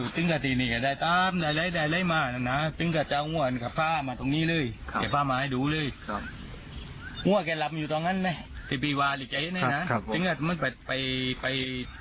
ที่บีบาลอีกไอ้เนี้ยนะครับครับถึงกันมันไปไปไป